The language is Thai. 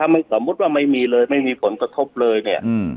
ถ้าไม่สมมติว่ามัยมีเลยไม่มีผลกระทบเลยเนี่ย